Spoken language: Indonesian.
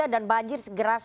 dan banjir segera